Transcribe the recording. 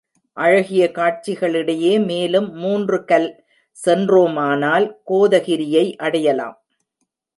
அழகிய காட்சிகளிடையே மேலும் மூன்று கல் சென்றோமானால், கோதகிரியை அடையலாம்.